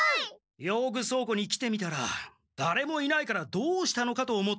用具倉庫に来てみたらだれもいないからどうしたのかと思ったぞ。